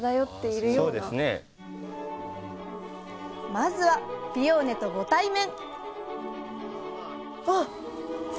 まずはピオーネとご対面！